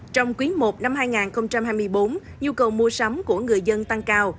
trong quý i năm hai nghìn hai mươi bốn nhu cầu mua sắm của người dân tăng cao